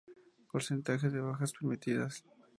Porcentaje de bajas permitidas.